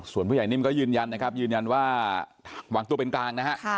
ส่วนผู้ใหญ่นิ่มก็ยืนยันนะครับยืนยันว่าวางตัวเป็นกลางนะฮะ